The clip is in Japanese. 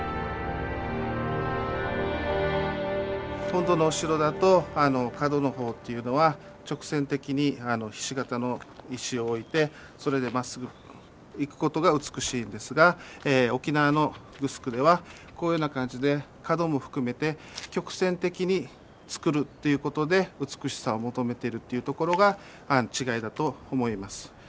本土のお城だと角の方っていうのは直線的にひし形の石を置いてそれでまっすぐいくことが美しいんですが沖縄のグスクではこういうような感じで角も含めて曲線的につくるということで美しさを求めてるっていうところが違いだと思います。